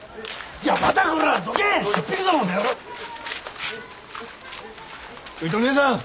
ちょいとおねえさん！